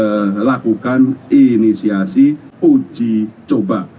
kita lakukan inisiasi uji coba